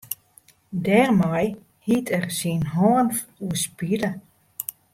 Dêrmei hied er syn hân oerspile.